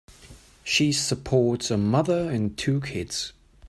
She supports a mother and two kids.